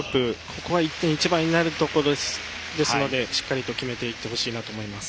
ここは１．１倍になるところですのでしっかりと決めていってほしいと思います。